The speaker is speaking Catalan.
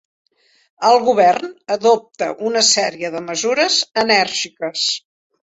El govern adopta una sèrie de mesures enèrgiques.